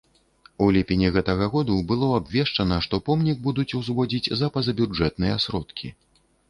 У ліпені гэтага году было абвешчана, што помнік будуць узводзіць за пазабюджэтныя сродкі.